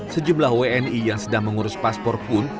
sejumlah wni yang sedang mengurus paspor pun